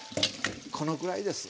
このぐらいです。